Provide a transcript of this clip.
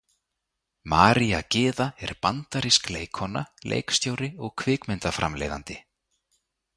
María Gyða er bandarísk leikkona, leikstjóri og kvikmyndaframleiðandi.